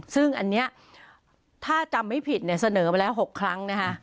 ซึ่งอันนี้ถ้าจำไม่ผิดเนี่ยเสนอมาแล้ว๖ครั้งนะคะ